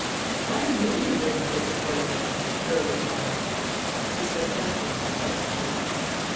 "I knew he wouldn't disappoint us," gurgled Myra. We slid down to him and helped him up.